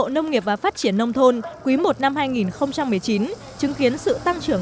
nông nghiệp và phát triển nông thôn